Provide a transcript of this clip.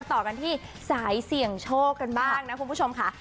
ต่อกันที่สายเสี่ยงโชคกันบ้างนะคุณผู้ชมค่ะ